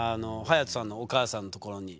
隼人さんのお母さんのところに。